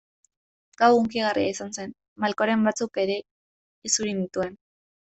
Gau hunkigarria izan zen, malkoren batzuk ere isuri nituen.